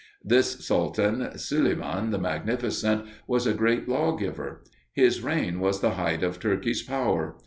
This sultan, Suleiman the Magnificent, was a great lawgiver. His reign was the height of Turkey's power.